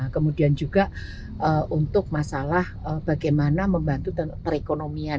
kemudian juga untuk masalah bagaimana membantu perekonomian